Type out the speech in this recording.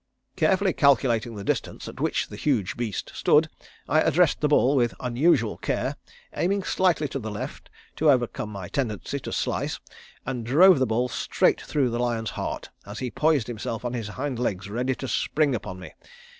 "Carefully calculating the distance at which the huge beast stood, I addressed the ball with unusual care, aiming slightly to the left to overcome my tendency to slice, and drove the ball straight through the lion's heart as he poised himself on his hind legs ready to spring upon me.